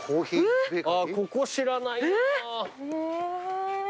あっここ知らないな。